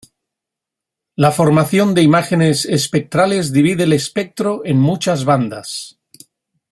La formación de imágenes espectrales divide el espectro en muchas bandas.